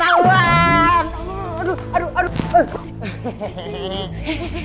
aduh aduh aduh